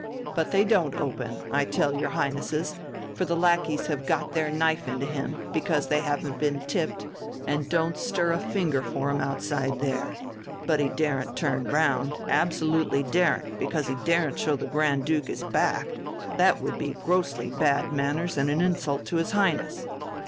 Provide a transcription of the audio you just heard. But they don't open, I tell your Highnesses, for the lackeys have got their knife into him, because they haven't been tipped, and don't stir a finger for him outside there. But he daren't turn round, absolutely daren't, because he daren't show the Grand Duke his back, that would be grossly bad manners and an insult to his Highness.